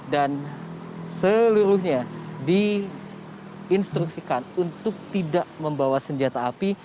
dan seluruhnya diinstruksikan untuk tidak membawa senjata api